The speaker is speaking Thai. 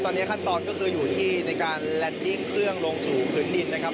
ตอนนี้ขั้นตอนก็คืออยู่ที่ในการแลนดิ้งเครื่องลงสู่พื้นดินนะครับ